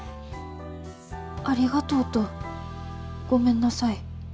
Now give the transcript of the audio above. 「ありがとう」と「ごめんなさい」。